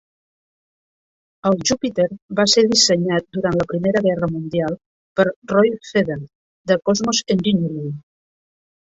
El Júpiter va ser dissenyat durant la Primera Guerra Mundial per Roy Fedden, de Cosmos Engineering.